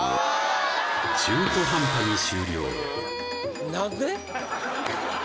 中途半端に終了なんで？